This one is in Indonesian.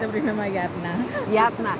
kita beri nama yatna